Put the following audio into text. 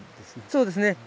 そうですね。